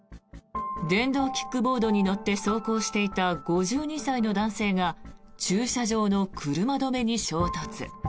電動キックボードに乗って走行していた５２歳の男性が駐車場の車止めに衝突。